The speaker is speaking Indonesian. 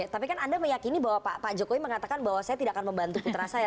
tapi kan anda meyakini bahwa pak jokowi mengatakan bahwa saya tidak akan membantu putra saya